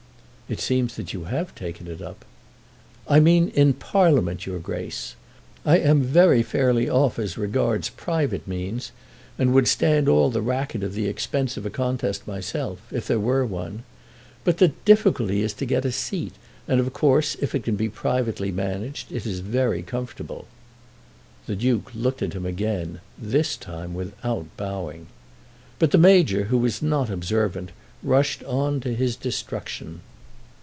"It seems that you have taken it up." "I mean in Parliament, your Grace. I am very fairly off as regards private means, and would stand all the racket of the expense of a contest myself, if there were one. But the difficulty is to get a seat, and, of course, if it can be privately managed, it is very comfortable." The Duke looked at him again, this time without bowing. But the Major, who was not observant, rushed on to his destruction.